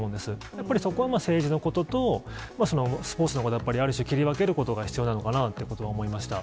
やっぱりそこは政治のことと、スポーツのことって、ある種切り分けることが必要なのかなってことは思いました。